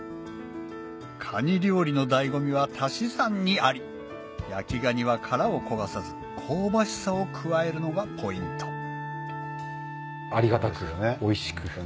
カニ料理の醍醐味は足し算にあり焼きがには殻を焦がさず香ばしさを加えるのがポイントありがたくおいしく。